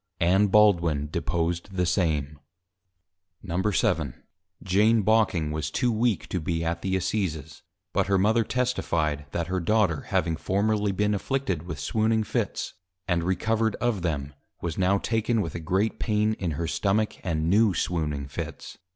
Ann Baldwin deposed the same. VII. Jane Bocking, was too weak to be at the Assizes. But her Mother Testifi'd, that her Daughter having formerly been Afflicted with Swooning Fits, and Recovered of them; was now taken with a great Pain in her Stomach; and New Swooning Fits.